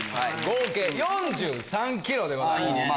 合計４３ｋｇでございます。